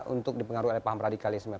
untuk dipengaruhi oleh paham radikalisme